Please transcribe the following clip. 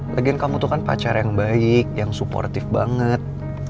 lagian kamu tuh kan pacar yang baik yang supportif banget